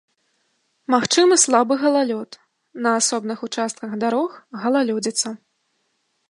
Магчымы слабы галалёд, на асобных участках дарог галалёдзіца.